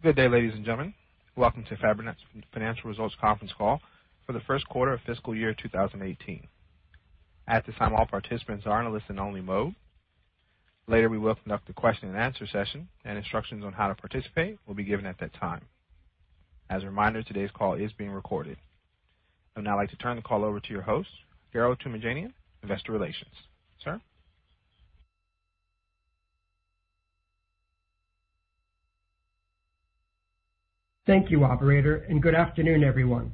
Good day, ladies and gentlemen. Welcome to Fabrinet's Financial Results Conference Call for the first quarter of fiscal year 2018. At this time, all participants are in a listen only mode. Later, we will open up the question and answer session, and instructions on how to participate will be given at that time. As a reminder, today's call is being recorded. I would now like to turn the call over to your host, Garo Toomajanian, Investor Relations. Sir? Thank you, operator, and good afternoon, everyone.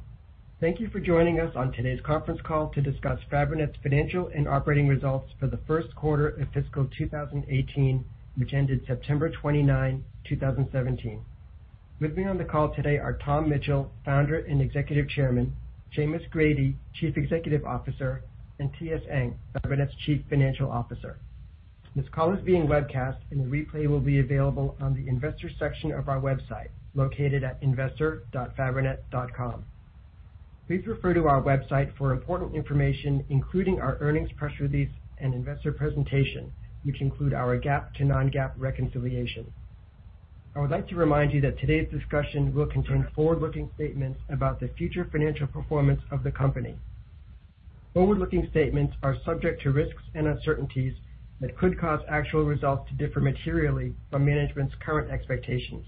Thank you for joining us on today's conference call to discuss Fabrinet's financial and operating results for the first quarter of fiscal 2018, which ended September 29, 2017. With me on the call today are Tom Mitchell, Founder and Executive Chairman, Seamus Grady, Chief Executive Officer, and Toh-Seng Ng, Fabrinet's Chief Financial Officer. This call is being webcast, and the replay will be available on the investors section of our website, located at investor.fabrinet.com. Please refer to our website for important information, including our earnings press release and investor presentation, which include our GAAP to non-GAAP reconciliation. I would like to remind you that today's discussion will contain forward-looking statements about the future financial performance of the company. Forward-looking statements are subject to risks and uncertainties that could cause actual results to differ materially from management's current expectations.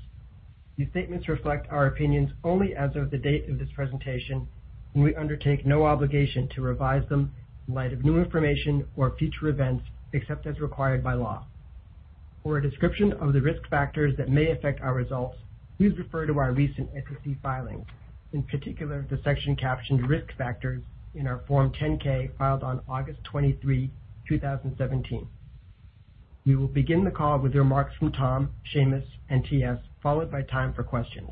These statements reflect our opinions only as of the date of this presentation. We undertake no obligation to revise them in light of new information or future events, except as required by law. For a description of the risk factors that may affect our results, please refer to our recent SEC filings, in particular, the section captioned "Risk Factors" in our Form 10-K filed on August 23, 2017. We will begin the call with remarks from Tom, Seamus, and T.S., followed by time for questions.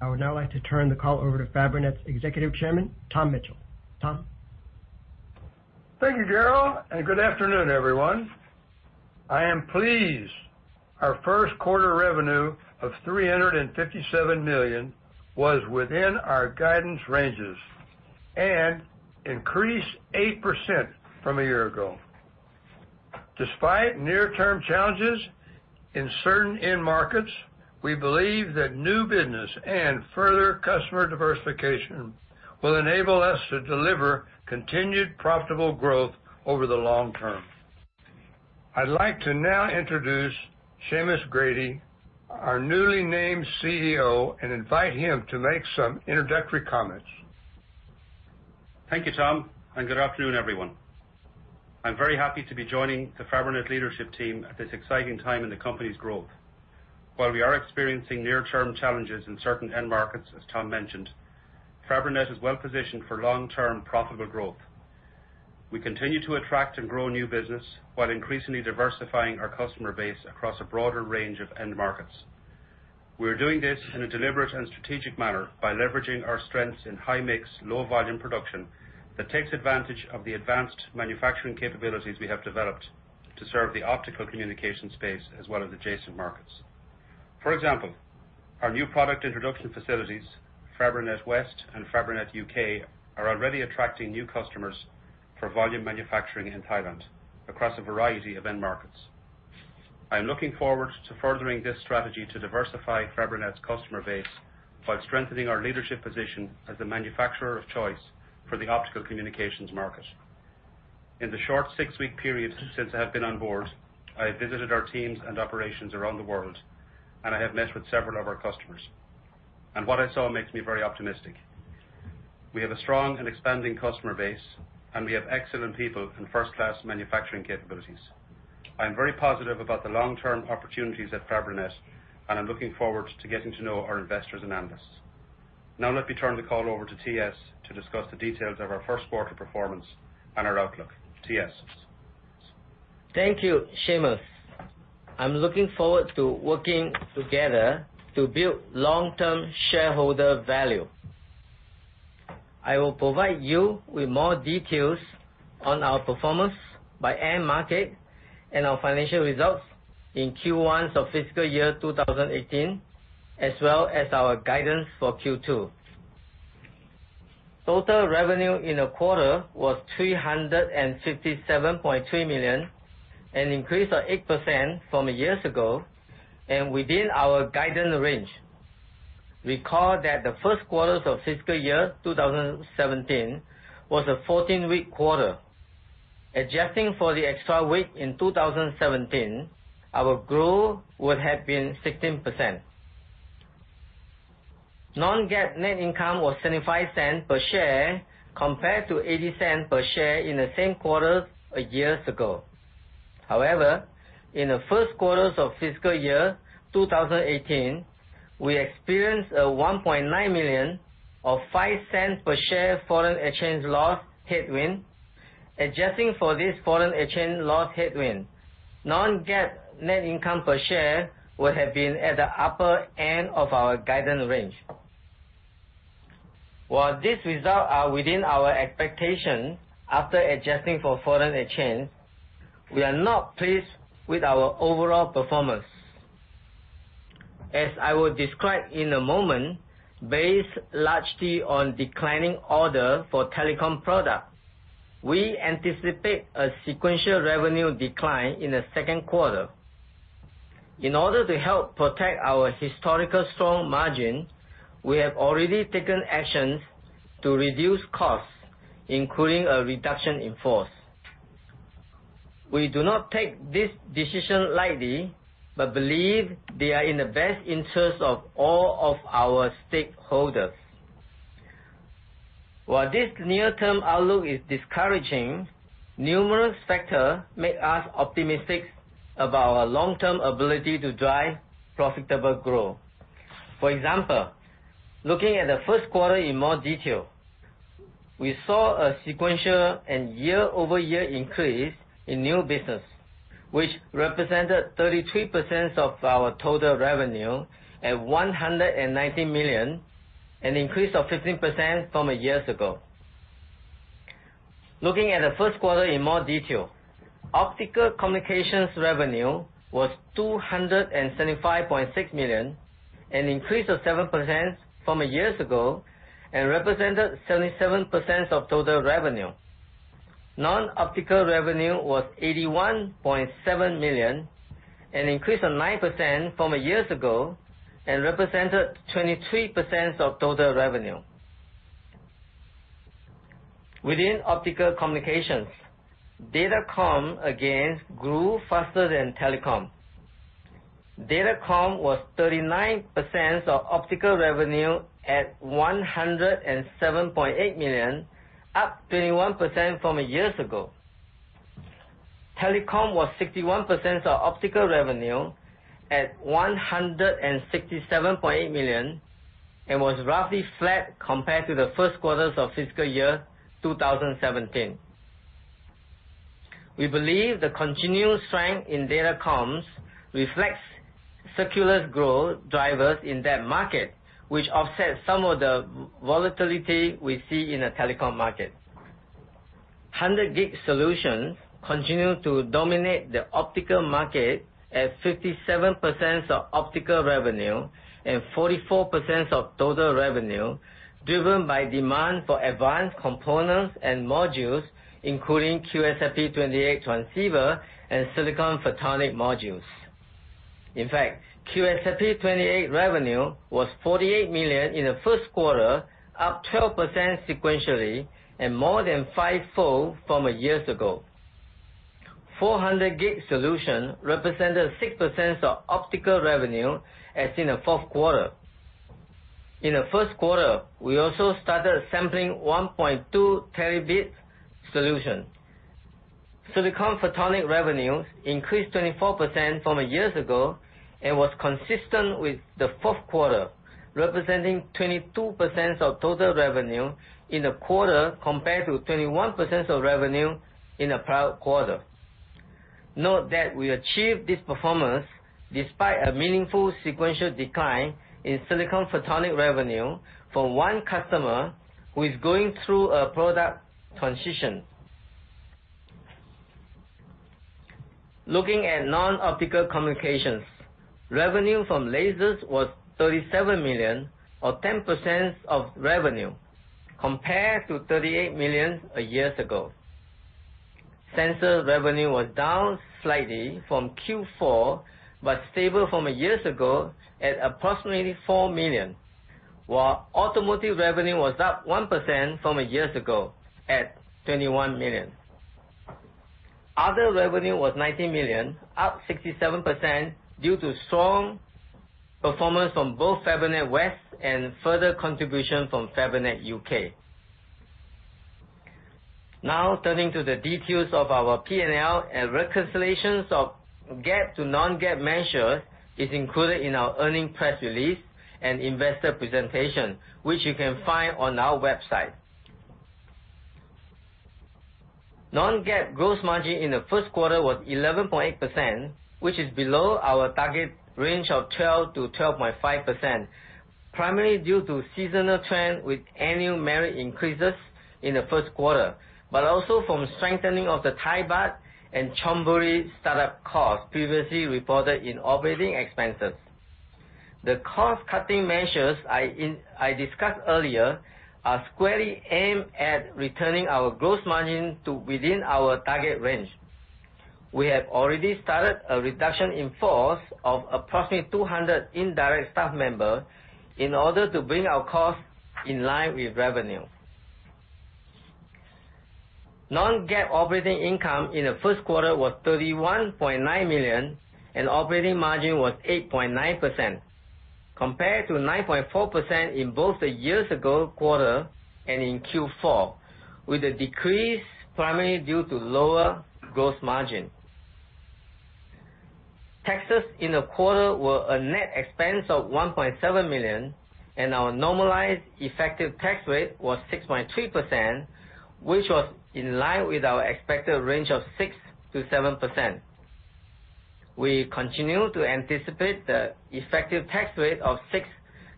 I would now like to turn the call over to Fabrinet's Executive Chairman, Tom Mitchell. Tom? Thank you, Garo, and good afternoon, everyone. I am pleased our first quarter revenue of $357 million was within our guidance ranges and increased 8% from a year ago. Despite near-term challenges in certain end markets, we believe that new business and further customer diversification will enable us to deliver continued profitable growth over the long term. I'd like to now introduce Seamus Grady, our newly named CEO, and invite him to make some introductory comments. Thank you, Tom. Good afternoon, everyone. I'm very happy to be joining the Fabrinet leadership team at this exciting time in the company's growth. While we are experiencing near-term challenges in certain end markets, as Tom mentioned, Fabrinet is well positioned for long-term profitable growth. We continue to attract and grow new business while increasingly diversifying our customer base across a broader range of end markets. We are doing this in a deliberate and strategic manner by leveraging our strengths in high-mix, low-volume production that takes advantage of the advanced manufacturing capabilities we have developed to serve the Optical Communications space as well as adjacent markets. For example, our new product introduction facilities, Fabrinet West and Fabrinet UK, are already attracting new customers for volume manufacturing in Thailand across a variety of end markets. I am looking forward to furthering this strategy to diversify Fabrinet's customer base while strengthening our leadership position as the manufacturer of choice for the Optical Communications market. What I saw makes me very optimistic. We have a strong and expanding customer base, and we have excellent people and first-class manufacturing capabilities. I am very positive about the long-term opportunities at Fabrinet, and I'm looking forward to getting to know our investors and analysts. Now, let me turn the call over to T.S. to discuss the details of our first quarter performance and our outlook. T.S.? Thank you, Seamus. I'm looking forward to working together to build long-term shareholder value. I will provide you with more details on our performance by end market and our financial results in Q1 of fiscal year 2018, as well as our guidance for Q2. Total revenue in the quarter was $357.3 million, an increase of 8% from a year ago, and within our guidance range. Recall that the first quarter of fiscal year 2017 was a 14-week quarter. Adjusting for the extra week in 2017, our growth would have been 16%. Non-GAAP net income was $0.75 per share, compared to $0.80 per share in the same quarter a year ago. However, in the first quarter of fiscal year 2018, we experienced a $1.9 million, or $0.05 per share foreign exchange loss headwind. Adjusting for this foreign exchange loss headwind, non-GAAP net income per share would have been at the upper end of our guidance range. While these results are within our expectation after adjusting for foreign exchange, we are not pleased with our overall performance. As I will describe in a moment, based largely on declining orders for Telecom products, we anticipate a sequential revenue decline in the second quarter. In order to help protect our historical strong margin, we have already taken actions to reduce costs, including a reduction in force. We do not take this decision lightly, but believe they are in the best interest of all of our stakeholders. While this near-term outlook is discouraging, numerous factors make us optimistic about our long-term ability to drive profitable growth. For example, looking at the first quarter in more detail, we saw a sequential and year-over-year increase in new business, which represented 33% of our total revenue at $119 million, an increase of 15% from a years ago. Looking at the first quarter in more detail, Optical Communications revenue was $275.6 million, an increase of 7% from a years ago and represented 77% of total revenue. Non-Optical Communications revenue was $81.7 million, an increase of 9% from a years ago and represented 23% of total revenue. Within Optical Communications, Datacom again grew faster than Telecom. Datacom was 39% of optical revenue at $107.8 million, up 21% from a years ago. Telecom was 61% of optical revenue at $167.8 million and was roughly flat compared to the first quarters of fiscal year 2017. We believe the continued strength in Datacom reflects secular growth drivers in that market, which offset some of the volatility we see in the Telecom market. 100G solutions continue to dominate the optical market at 57% of optical revenue and 44% of total revenue, driven by demand for advanced components and modules including QSFP28 transceiver and silicon photonics modules. In fact, QSFP28 revenue was $48 million in the first quarter, up 12% sequentially and more than five-fold from a years ago. 400G solution represented 6% of optical revenue as in the fourth quarter. In the first quarter, we also started sampling 1.2 terabit solution. silicon photonics revenue increased 24% from a years ago and was consistent with the fourth quarter, representing 22% of total revenue in the quarter compared to 21% of revenue in the prior quarter. Note that we achieved this performance despite a meaningful sequential decline in silicon photonics revenue from one customer who is going through a product transition. Looking at Non-Optical Communications, revenue from lasers was $37 million or 10% of revenue compared to $38 million a years ago. Sensor revenue was down slightly from Q4, but stable from a years ago at approximately $4 million, while automotive revenue was up 1% from a years ago at $21 million. Other revenue was $19 million, up 67% due to strong performance from both Fabrinet West and further contribution from Fabrinet UK. Now turning to the details of our P&L and reconciliations of GAAP to non-GAAP measures is included in our earnings press release and investor presentation, which you can find on our website. Non-GAAP gross margin in the first quarter was 11.8%, which is below our target range of 12%-12.5%, primarily due to seasonal trend with annual merit increases in the first quarter, but also from strengthening of the Thai baht and Chonburi start-up costs previously reported in operating expenses. The cost-cutting measures I discussed earlier are squarely aimed at returning our gross margin to within our target range. We have already started a reduction in force of approximately 200 indirect staff member in order to bring our costs in line with revenue. Non-GAAP operating income in the first quarter was $31.9 million, and operating margin was 8.9% compared to 9.4% in both the years ago quarter and in Q4, with the decrease primarily due to lower gross margin. Taxes in the quarter were a net expense of $1.7 million, and our normalized effective tax rate was 6.3%, which was in line with our expected range of 6%-7%. We continue to anticipate the effective tax rate of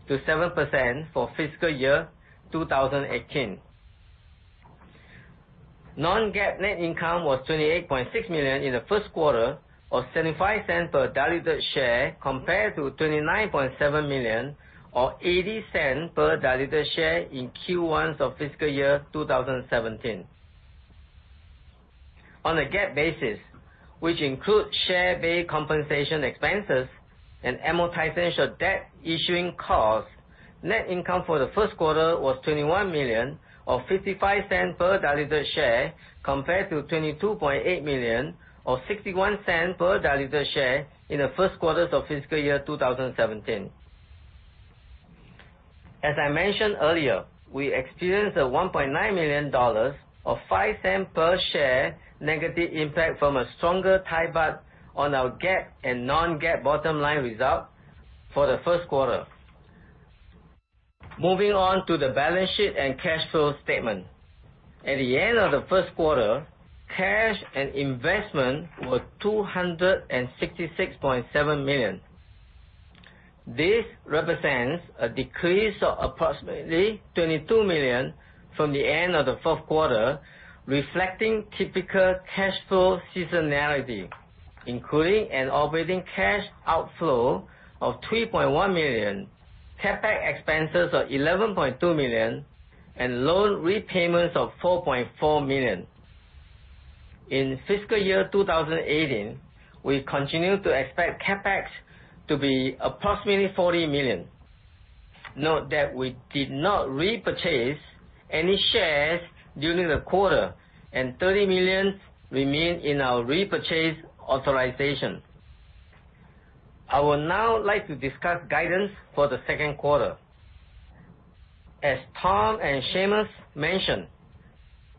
6%-7% for fiscal year 2018. Non-GAAP net income was $28.6 million in the first quarter, or $0.75 per diluted share compared to $29.7 million or $0.80 per diluted share in Q1 of fiscal year 2017. On a GAAP basis, which includes share-based compensation expenses and amortization of debt issuing costs, net income for the first quarter was $21 million, or $0.55 per diluted share, compared to $22.8 million, or $0.61 per diluted share in the first quarter of fiscal year 2017. As I mentioned earlier, we experienced a $1.9 million, or $0.05 per share, negative impact from a stronger Thai baht on our GAAP and non-GAAP bottom line result for the first quarter. Moving on to the balance sheet and cash flow statement. At the end of the first quarter, cash and investment were $266.7 million. This represents a decrease of approximately $22 million from the end of the fourth quarter, reflecting typical cash flow seasonality, including an operating cash outflow of $3.1 million, CapEx expenses of $11.2 million, and loan repayments of $4.4 million. In fiscal year 2018, we continue to expect CapEx to be approximately $40 million. Note that we did not repurchase any shares during the quarter, and $30 million remain in our repurchase authorization. I would now like to discuss guidance for the second quarter. As Tom and Seamus mentioned,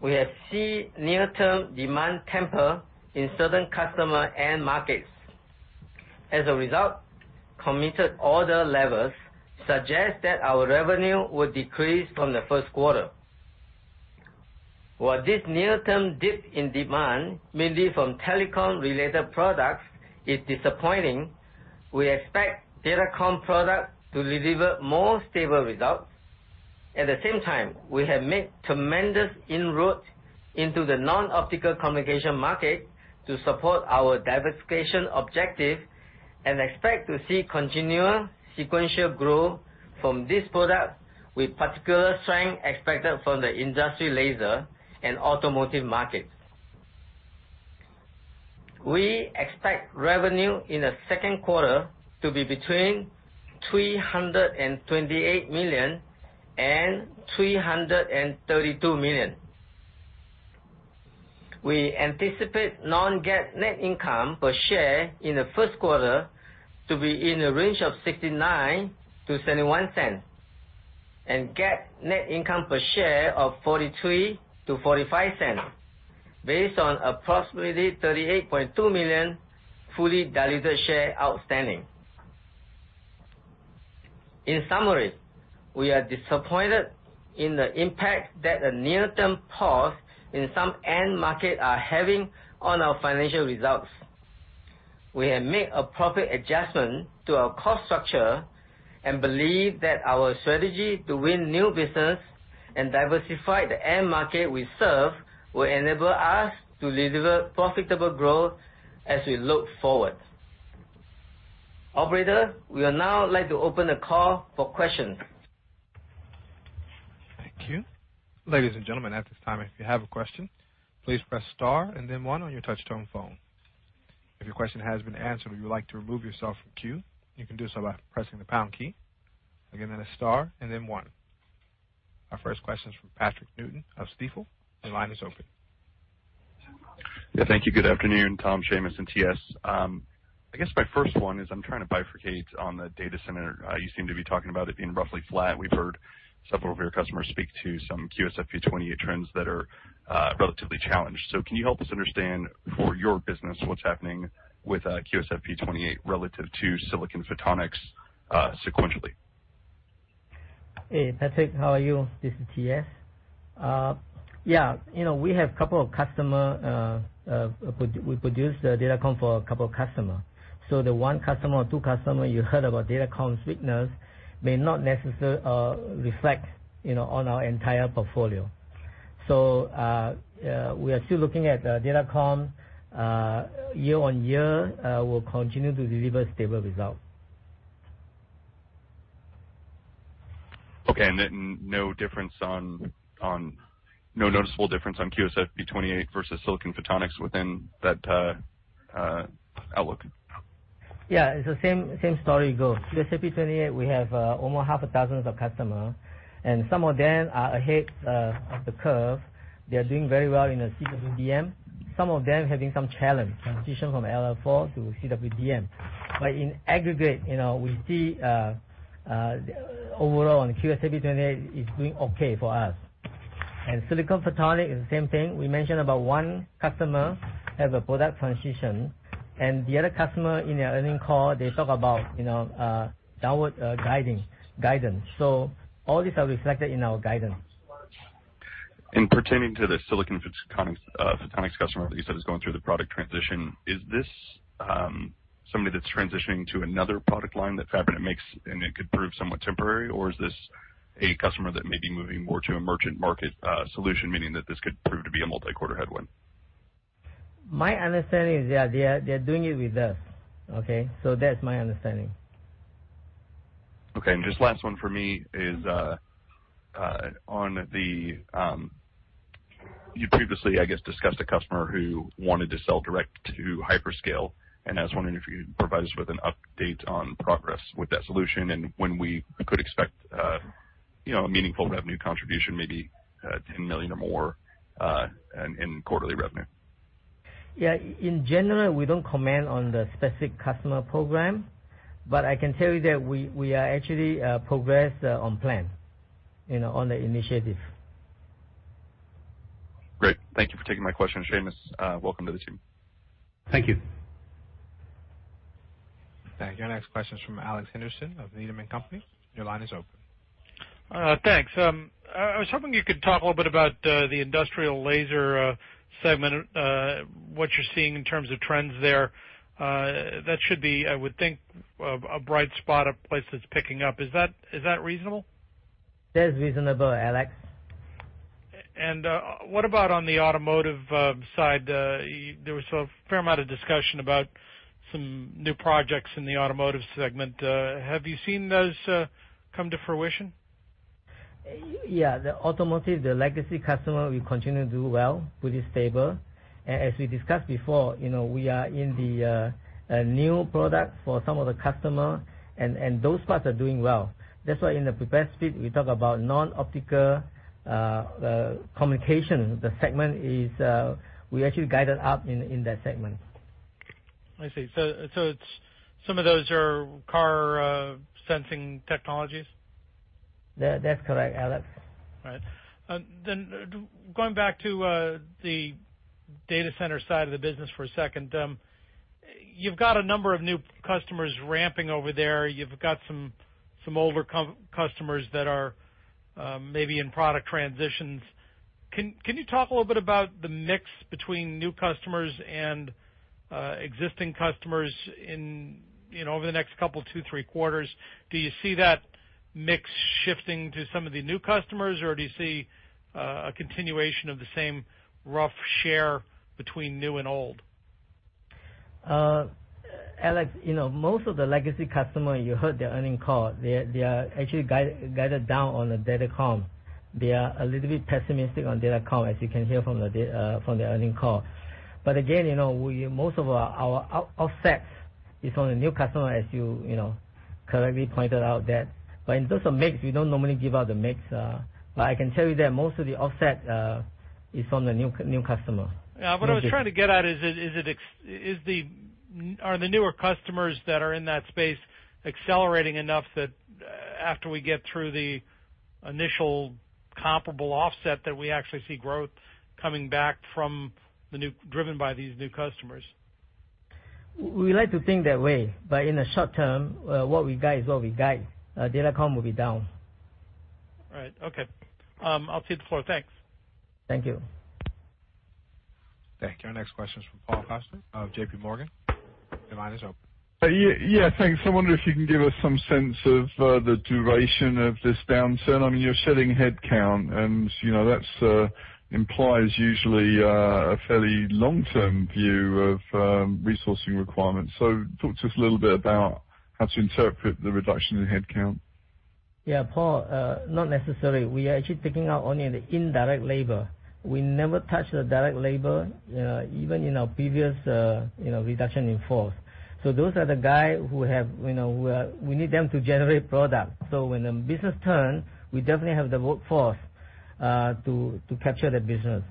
we have seen near-term demand temper in certain customer end markets. As a result, committed order levels suggest that our revenue will decrease from the first quarter. While this near-term dip in demand, mainly from Telecom-related products, is disappointing, we expect Datacom products to deliver more stable results. At the same time, we have made tremendous inroads into the Non-Optical Communications market to support our diversification objective and expect to see continual sequential growth from this product, with particular strength expected from the industrial laser and automotive markets. We expect revenue in the second quarter to be between $328 million and $332 million. We anticipate non-GAAP net income per share in the first quarter to be in the range of $0.69 to $0.71, and GAAP net income per share of $0.43 to $0.45, based on approximately 38.2 million fully diluted shares outstanding. In summary, we are disappointed in the impact that the near-term pause in some end markets are having on our financial results. We have made appropriate adjustments to our cost structure and believe that our strategy to win new business and diversify the end markets we serve will enable us to deliver profitable growth as we look forward. Operator, we would now like to open the call for questions. Thank you. Ladies and gentlemen, at this time, if you have a question, please press star and then one on your touch-tone phone. If your question has been answered or you would like to remove yourself from the queue, you can do so by pressing the pound key. Again, that is star and then one. Our first question is from Patrick Newton of Stifel. Your line is open. Yeah, thank you. Good afternoon, Tom, Seamus, and T.S. I guess my first one is I'm trying to bifurcate on the data center. You seem to be talking about it being roughly flat. We've heard several of your customers speak to some QSFP28 trends that are relatively challenged. Can you help us understand for your business what's happening with QSFP28 relative to silicon photonics sequentially? Hey, Patrick. How are you? This is T.S. Yeah. We produce Datacom for a couple of customers. The one customer or two customers you heard about Datacom's weakness may not necessarily reflect on our entire portfolio. We are still looking at Datacom year-over-year will continue to deliver stable results. Okay. No noticeable difference on QSFP28 versus silicon photonics within that outlook? Yeah. It's the same story goes. QSFP28, we have almost half a thousand customers, and some of them are ahead of the curve. They're doing very well in the CWDM. Some of them are having some challenge transition from LR4 to CWDM. In aggregate, we see overall on QSFP28 is doing okay for us. Silicon photonics is the same thing. We mentioned about one customer has a product transition, and the other customer in their earnings call, they talk about downward guidance. All these are reflected in our guidance. Pertaining to the silicon photonics customer that you said is going through the product transition, is this somebody that's transitioning to another product line that Fabrinet makes and it could prove somewhat temporary, or is this a customer that may be moving more to a merchant market solution, meaning that this could prove to be a multi-quarter headwind? My understanding is they are doing it with us. Okay? That's my understanding. Okay, just last one for me is, you previously, I guess, discussed a customer who wanted to sell direct to hyperscale, I was wondering if you could provide us with an update on progress with that solution and when we could expect a meaningful revenue contribution, maybe $10 million or more in quarterly revenue. In general, we don't comment on the specific customer program. I can tell you that we are actually progress on plan on the initiative. Great. Thank you for taking my question, Seamus. Welcome to the team. Thank you. Thank you. Our next question is from Alex Henderson of Needham & Company. Your line is open. Thanks. I was hoping you could talk a little bit about the industrial laser segment, what you're seeing in terms of trends there. That should be, I would think, a bright spot, a place that's picking up. Is that reasonable? That is reasonable, Alex. What about on the automotive side? There was a fair amount of discussion about some new projects in the automotive segment. Have you seen those come to fruition? Yeah. The automotive, the legacy customer, we continue to do well. Pretty stable. As we discussed before, we are in the new product for some of the customer, and those parts are doing well. That's why in the prepared speech, we talk about Non-Pptical Communication. We actually guided up in that segment. I see. Some of those are car sensing technologies? That's correct, Alex. Right. Going back to the data center side of the business for a second. You've got a number of new customers ramping over there. You've got some older customers that are maybe in product transitions. Can you talk a little bit about the mix between new customers and existing customers over the next couple, two, three quarters? Do you see that mix shifting to some of the new customers, or do you see a continuation of the same rough share between new and old? Alex, most of the legacy customer, you heard their earnings call. They are actually guided down on the Datacom. They are a little bit pessimistic on Datacom, as you can hear from the earnings call. Again, most of our offsets is on the new customer, as you correctly pointed out that. In terms of mix, we don't normally give out the mix. I can tell you that most of the offset is on the new customer. Yeah. What I was trying to get at is, are the newer customers that are in that space accelerating enough that after we get through the initial comparable offset, that we actually see growth coming back driven by these new customers? We like to think that way. In the short term, what we guide is what we guide. Datacom will be down. All right. Okay. I'll cede the floor. Thanks. Thank you. Thank you. Our next question is from Paul Coster of JP Morgan. Your line is open. Yeah. Thanks. I wonder if you can give us some sense of the duration of this downturn. You're shedding head count, and that implies usually a fairly long-term view of resourcing requirements. Talk to us a little bit about how to interpret the reduction in head count. Yeah, Paul, not necessarily. We are actually taking out only the indirect labor. We never touch the direct labor, even in our previous reduction in force. Those are the guy, we need them to generate product. When the business turn, we definitely have the workforce to capture that business.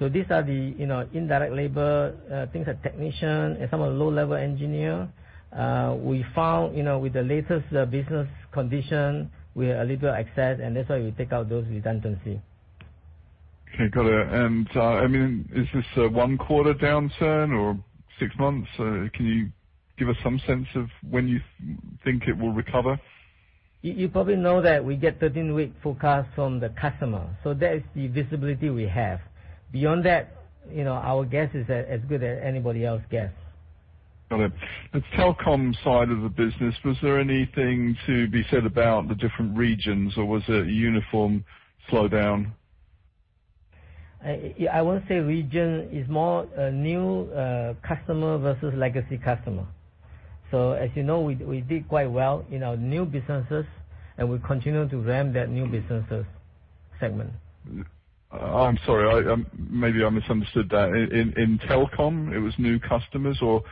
These are the indirect labor, things like technician and some of the low-level engineer. We found with the latest business condition, we are a little excess, and that's why we take out those redundancy. Okay, got it. Is this a one-quarter downturn or six months? Can you give us some sense of when you think it will recover? You probably know that we get 13-week forecast from the customer, so that is the visibility we have. Beyond that, our guess is as good as anybody else guess. Got it. The telecom side of the business, was there anything to be said about the different regions, or was it a uniform slowdown? I wouldn't say region. It's more a new customer versus legacy customer. As you know, we did quite well in our new businesses, and we continue to ramp that new businesses segment. I'm sorry, maybe I misunderstood that. In telecom, it was new customers, or?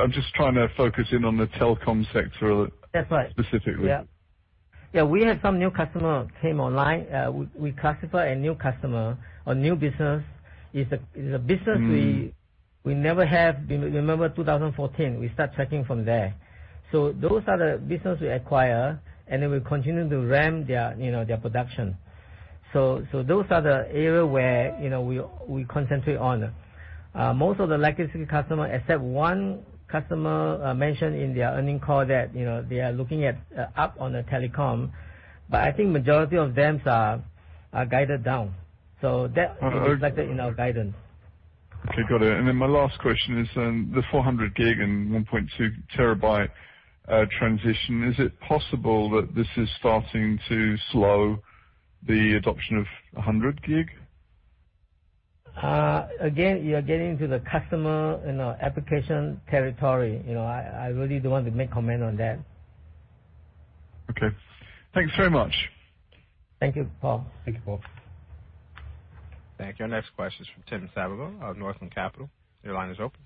I'm just trying to focus in on the telecom sector. That's right specifically. Yeah. We had some new customer came online. We classify a new customer or new business is a business we never have. Remember 2014, we start tracking from there. Those are the business we acquire, and then we continue to ramp their production. Those are the area where we concentrate on. Most of the legacy customer, except one customer mentioned in their earnings call that they are looking at up on the Telecom. I think majority of them are guided down. That is reflected in our guidance. Okay, got it. My last question is, the 400G and 1.2 terabit transition, is it possible that this is starting to slow the adoption of 100G? Again, you're getting into the customer application territory. I really don't want to make comment on that. Okay. Thanks very much. Thank you, Paul. Thank you, Paul. Thank you. Our next question is from Tim Savageaux of Northland Capital Markets. Your line is open.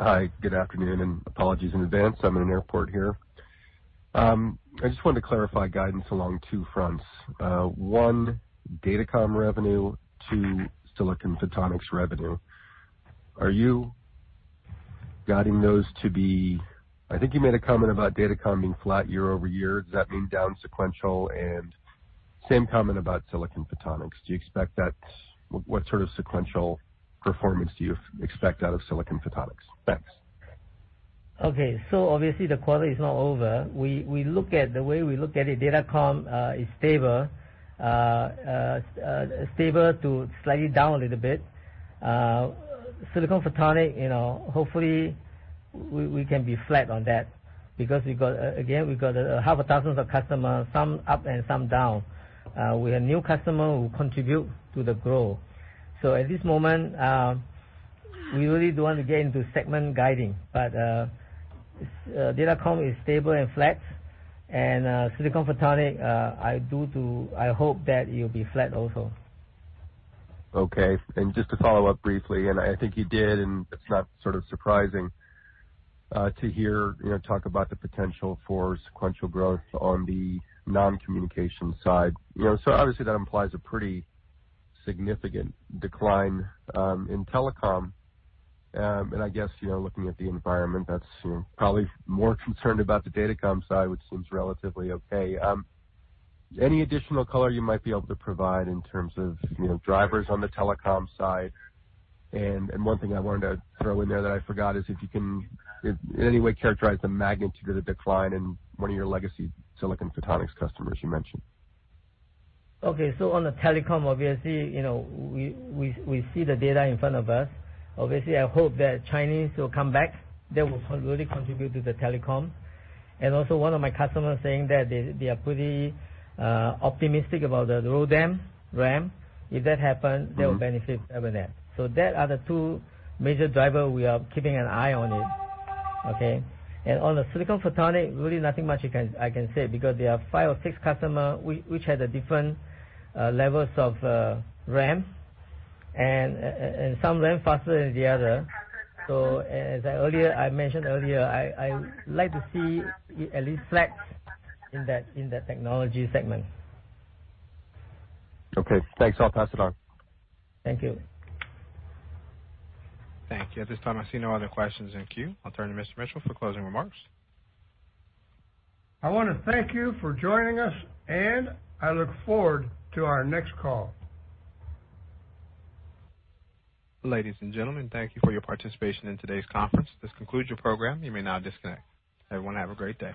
Hi, good afternoon and apologies in advance. I'm in an airport here. I just wanted to clarify guidance along two fronts. One, Datacom revenue, two, silicon photonics revenue. Are you guiding those to be, I think you made a comment about Datacom being flat year-over-year. Does that mean down sequential? Same comment about silicon photonics. What sort of sequential performance do you expect out of silicon photonics? Thanks. Okay. Obviously the quarter is not over. The way we look at it, Datacom is stable to slightly down a little bit. Silicon photonics, hopefully we can be flat on that because, again, we've got half a thousand of customers, some up and some down. We have new customer who contribute to the growth. At this moment, we really don't want to get into segment guiding. Datacom is stable and flat, and silicon photonics, I hope that it'll be flat also. Okay. Just to follow up briefly, and I think you did, and it's not sort of surprising to hear talk about the potential for sequential growth on the non-communication side. Obviously that implies a pretty significant decline in Telecom. I guess, looking at the environment, that's probably more concerned about the Datacom side, which seems relatively okay. Any additional color you might be able to provide in terms of drivers on the Telecom side? One thing I wanted to throw in there that I forgot is if you can in any way characterize the magnitude of the decline in one of your legacy silicon photonics customers you mentioned. Okay. On the Telecom, obviously, we see the data in front of us. Obviously, I hope that China will come back. That will really contribute to the Telecom. Also one of my customers saying that they are pretty optimistic about the ROADM ramp. If that happen, they will benefit over there. That are the two major driver we are keeping an eye on it. Okay. On the silicon photonics, really nothing much I can say because there are five or six customer which has a different levels of ramp, and some ramp faster than the other. As I mentioned earlier, I like to see at least flat in that technology segment. Okay, thanks. I'll pass it on. Thank you. Thank you. At this time, I see no other questions in queue. I'll turn to Mr. Mitchell for closing remarks. I want to thank you for joining us, and I look forward to our next call. Ladies and gentlemen, thank you for your participation in today's conference. This concludes your program. You may now disconnect. Everyone, have a great day.